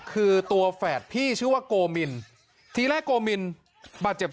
คือตัวแฝดพี่ชื่อว่าโกมินทีแรกโกมินบาดเจ็บ